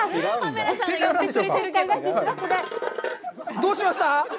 どうしました？